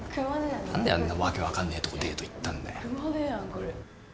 何であんな訳分かんねえとこデート行ったんだよ。